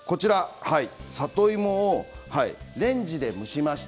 里芋をレンジで蒸しました。